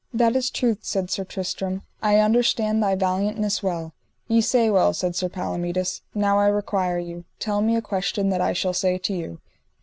That is truth, said Sir Tristram, I understand thy valiantness well. Ye say well, said Sir Palomides; now, I require you, tell me a question that I shall say to you.